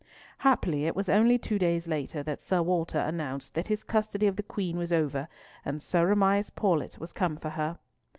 Happily it was only two days later that Sir Walter announced that his custody of the Queen was over, and Sir Amias Paulett was come for her.